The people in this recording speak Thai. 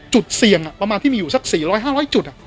จุดเสี่ยงประมาณที่มีอยู่สัก๔๐๐๕๐๐จุด